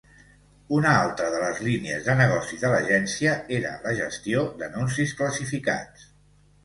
Una altra de les línies de negoci de l'agència era la gestió d'anuncis classificats.